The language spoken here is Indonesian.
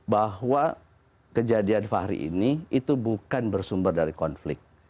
bahwa kejadian fahri ini itu bukan bersumber dari konflik